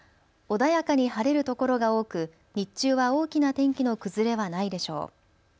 穏やかに晴れるところが多く日中は大きな天気の崩れはないでしょう。